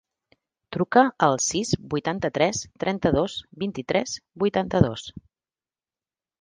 Truca al sis, vuitanta-tres, trenta-dos, vint-i-tres, vuitanta-dos.